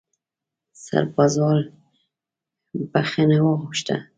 سرپازوال بښنه وغوښته.